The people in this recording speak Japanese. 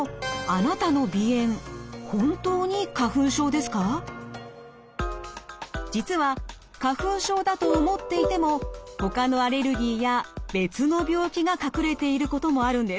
でも実は花粉症だと思っていてもほかのアレルギーや別の病気が隠れていることもあるんです。